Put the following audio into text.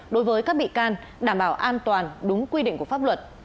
đối với các bị can đảm bảo an toàn đúng quy định của pháp luật